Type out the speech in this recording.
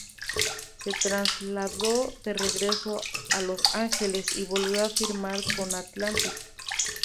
Se trasladó de regreso a Los Angeles y volvió a firmar con Atlantic.